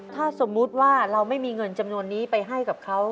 ถ้าสมมุติว่าเราไม่มีเงินจำนวนนี้ไปให้กับเขา